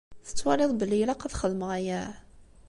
Tettwaliḍ belli ilaq ad xedmeɣ aya?